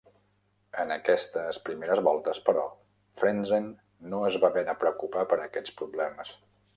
En aquestes primeres voltes, però, Frentzen no es va haver de preocupar per aquests problemes.